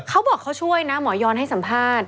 เขาบอกเขาช่วยนะหมอยอนให้สัมภาษณ์